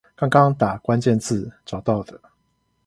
剛剛打關鍵字找到的